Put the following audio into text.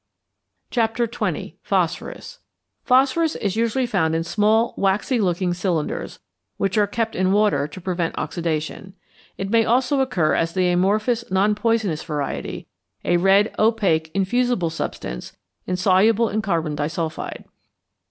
XX. PHOSPHORUS =Phosphorus= is usually found in small, waxy looking cylinders, which are kept in water to prevent oxidation. It may also occur as the amorphous non poisonous variety, a red opaque infusible substance, insoluble in carbon disulphide.